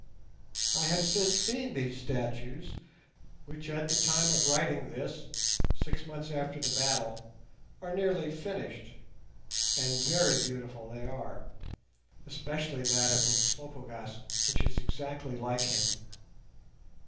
I have since seen these statues, which at the time of writing this, six months after the battle, are nearly finished; and very beautiful they are, especially that of Umslopogaas, which is exactly like him.